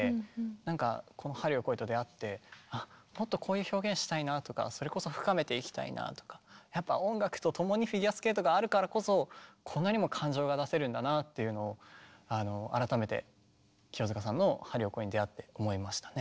なんかこの「春よ、来い」と出会ってもっとこういう表現したいなとかそれこそ深めていきたいなとかやっぱ音楽とともにフィギュアスケートがあるからこそこんなにも感情が出せるんだなっていうのを改めて清塚さんの「春よ、来い」に出会って思いましたね。